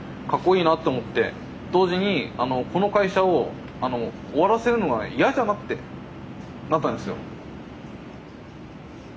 同時にこの会社を終わらせるのは嫌じゃなってなったんですよ。